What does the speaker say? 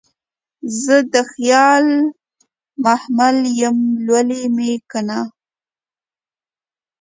زه دخیال محمل یمه لولی مې کنه